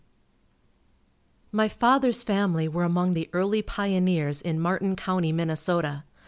My father's family were among the early pioneers in Martin county, Minnesota.